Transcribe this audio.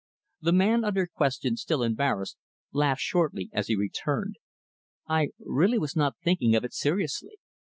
The man under question, still embarrassed, laughed shortly, as he returned, "I really was not thinking of it seriously.